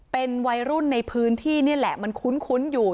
เป็นวัยรุ่นในพื้นที่นี่แหละมันคุ้นอยู่